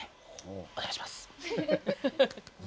お願いします。